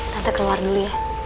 tante keluar dulu ya